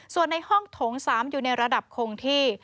ส่วนในห้องโถง๓อยู่ในระดับคงที่